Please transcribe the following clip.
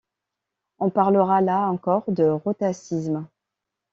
On parlera là encore de rhotacisme.